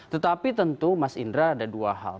tetapi tentu mas indra ada dua hal